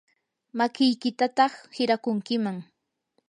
makiykitataq hirakunkiman.